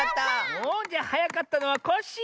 おじゃはやかったのはコッシー！